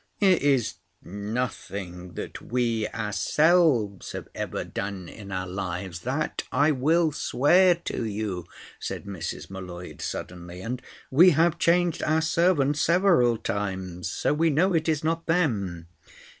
"It is nothing that we ourselves have ever done in our lives that I will swear to you," said Mrs. M'Leod suddenly. "And we have changed our servants several times. So we know it is not them."